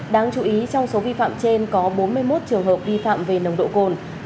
đáng chú ý trong số vi phạm trên có bốn mươi một trường hợp vi phạm về nồng độ cồn